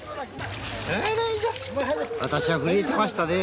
私は震えてましたね。